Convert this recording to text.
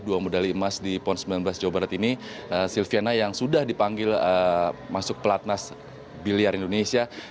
dua medali emas di pon sembilan belas jawa barat ini silviana yang sudah dipanggil masuk pelatnas biliar indonesia